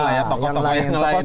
tokoh tokoh yang lain